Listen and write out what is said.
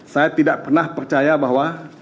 saya tidak pernah percaya bahwa